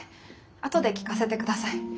あとで聞かせてください。